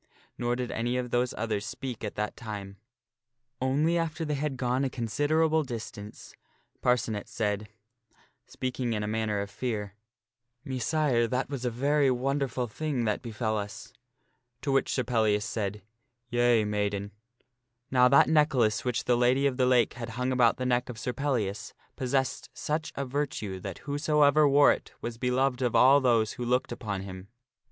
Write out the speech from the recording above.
Nor did any of those others speak at that time ; only after they had gone a considerable distance Parcenet said, speaking in a manner of fear, " Messire, that was a very wonderful thing that befell us." To which Sir Pellias said, " Yea, maiden." Now that necklace which the Lady of the Lake had hung about the neck of Sir Pellias possessed such a virtue that whosoever wore it was be loved of all those who looked upon him.